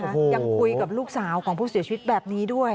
ยังคุยกับลูกสาวของผู้เสียชีวิตแบบนี้ด้วย